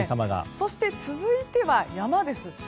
そして、続いては山です。